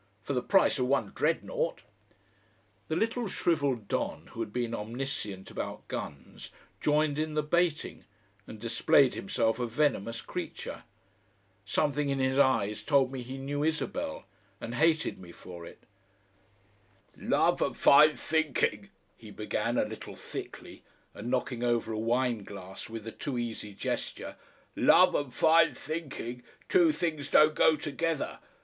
"For the price of one Dreadnought " The little shrivelled don who had been omniscient about guns joined in the baiting, and displayed himself a venomous creature. Something in his eyes told me he knew Isabel and hated me for it. "Love and fine thinking," he began, a little thickly, and knocking over a wine glass with a too easy gesture. "Love and fine thinking. Two things don't go together.